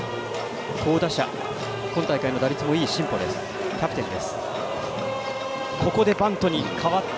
好打者、今大会の打率もいい新保キャプテンです。